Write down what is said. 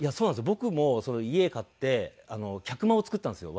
僕も家買って客間を造ったんですよ